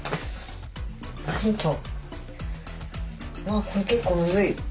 あこれ結構むずい。